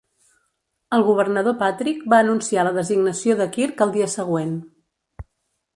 El governador Patrick va anunciar la designació de Kirk el dia següent.